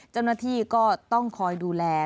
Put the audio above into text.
เจ้าหน้าที่ก็ต้องคอยดูแล